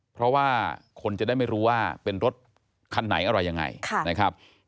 เพราะว่าคนจะได้ไม่รู้ว่าเป็นรถคันไหนอะไรยังไงนะครับ